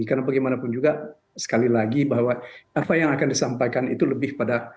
karena bagaimanapun juga sekali lagi bahwa apa yang akan disampaikan itu lebih pada